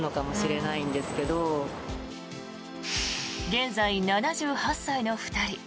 現在、７８歳の２人。